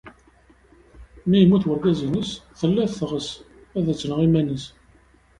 Mi yemmut wergaz-nnes, tella teɣs ad tenɣ iman-nnes.